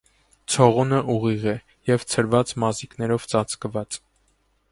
Ցողունը ուղիղ է և ցրված մազիկներով ծածկված։